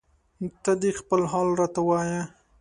ته دې خپل حال راته وایه